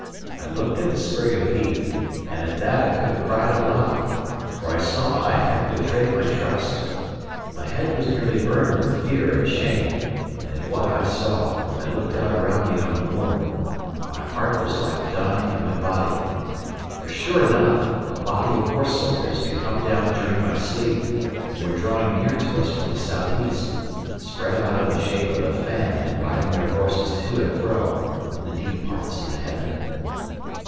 I looked at the sprig of heath, and at that I could have cried aloud: for I saw I had betrayed my trust. My head was nearly turned with fear and shame; and at what I saw, when I looked out around me on the moor, my heart was like dying in my body. For sure enough, a body of horse soldiers had come down during my sleep, and were drawing near to us from the south east, spread out in the shape of a fan and riding their horses to and fro in the deep parts of the heather.